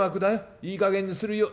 いいかげんにするよう。